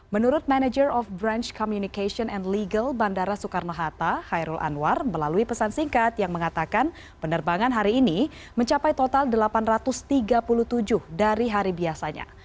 menurut manager of brunch communication and legal bandara soekarno hatta hairul anwar melalui pesan singkat yang mengatakan penerbangan hari ini mencapai total delapan ratus tiga puluh tujuh dari hari biasanya